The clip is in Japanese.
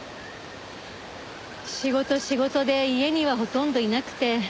仕事仕事で家にはほとんどいなくて。